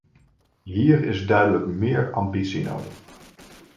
Hier is duidelijk meer ambitie nodig.